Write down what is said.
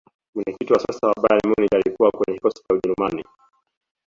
mwenyekiti wa sasa wa bayern munich alikuwa kwenye kikosi cha ujerumani